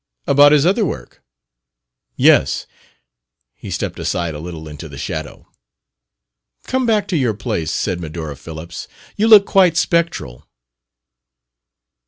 "About his other work?" "Yes." He stepped aside a little into the shadow. "Come back to your place," said Medora Phillips. "You look quite spectral."